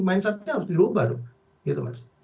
mindset nya harus dirubah